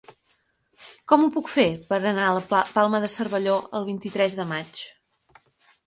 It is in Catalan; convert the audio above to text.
Com ho puc fer per anar a la Palma de Cervelló el vint-i-tres de maig?